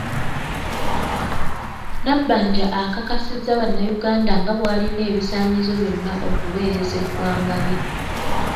Nabbanja akakasizza bannayuganda nga bw’alina ebisaanyizo byonna okuweereza eggwanga lye.